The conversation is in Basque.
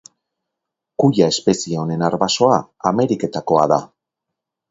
Kuia espezie honen arbasoa Ameriketakoa da.